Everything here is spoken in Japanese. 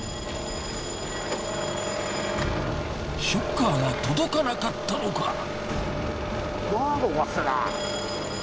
ショッカーが届かなかったのか。